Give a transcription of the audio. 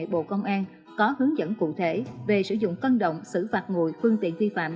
bộ công an có hướng dẫn cụ thể về sử dụng cân động xử phạt ngồi phương tiện vi phạm